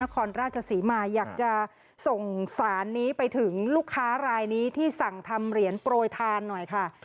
ครราชศรีมาอยากจะส่งสารนี้ไปถึงลูกค้ารายนี้ที่สั่งทำเหรียญโปรยทานหน่อยค่ะ